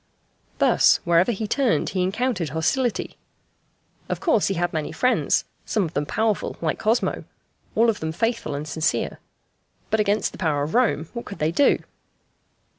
Thus, wherever he turned he encountered hostility. Of course he had many friends some of them powerful like Cosmo, all of them faithful and sincere. But against the power of Rome what could they do?